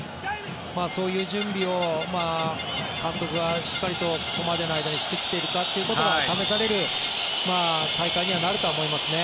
そういう準備を監督はしっかりとここまでの間にしてきているかってことが試される大会にはなると思いますね。